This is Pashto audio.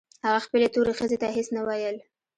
هغه خپلې تورې ښځې ته هېڅ نه ويل.